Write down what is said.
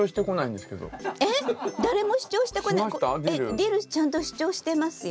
ディルちゃんと主張してますよ。